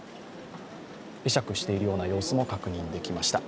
会釈しているような様子も確認できました。